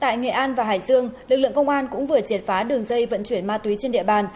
tại nghệ an và hải dương lực lượng công an cũng vừa triệt phá đường dây vận chuyển ma túy trên địa bàn